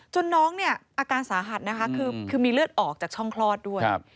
น้องเนี่ยอาการสาหัสนะคะคือมีเลือดออกจากช่องคลอดด้วย